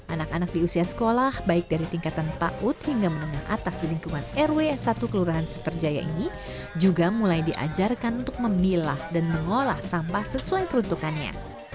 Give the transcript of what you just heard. anak anak di usia sekolah baik dari tingkatan paud hingga menengah atas di lingkungan rw satu kelurahan suterjaya ini juga mulai diajarkan untuk memilah dan mengolah sampah sesuai peruntukannya